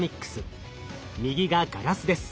右がガラスです。